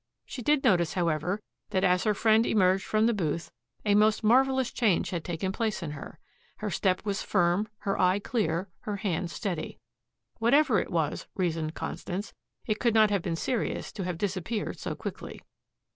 She did notice, however, that as her friend emerged from the booth a most marvelous change had taken place in her. Her step was firm, her eye clear, her hand steady. Whatever it was, reasoned Constance, it could not have been serious to have disappeared so quickly.